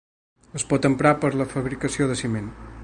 Es pot emprar per a la fabricació de ciment.